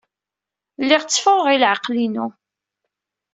Lliɣ tteffɣeɣ i leɛqel-inu.